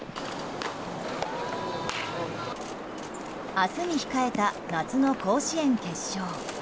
明日に控えた夏の甲子園決勝。